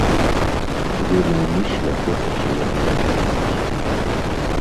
Вы наўмысля хочаце яго ачарніць.